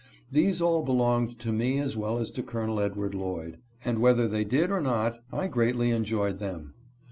These all belonged to me as well as to Col. Edward Lloyd, and, whether they did or not, I greatly enjoyed them.